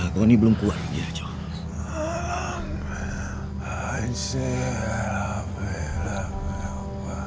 kau ini belum kuat lagi ajo